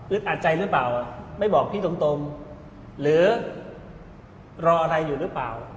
อัดใจหรือเปล่าไม่บอกพี่ตรงหรือรออะไรอยู่หรือเปล่า